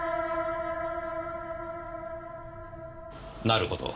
なるほど。